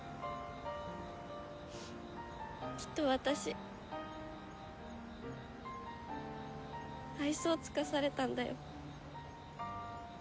きっと私愛想つかされたんだよ